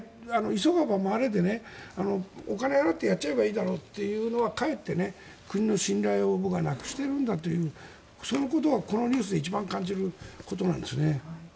急がば回れでお金を払ってやっちゃえばいいだろうというのはかえって国の信頼をなくしてるんだというそのことをこのニュースで一番感じることなんですね。